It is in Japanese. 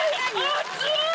熱い！